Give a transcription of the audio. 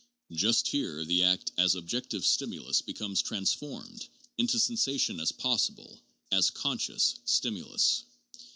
Just here the act as objective stimulus becomes trans formed into sensation as possible, as conscious, stimulus.